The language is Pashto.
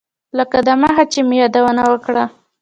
لکه دمخه چې مې یادونه وکړه.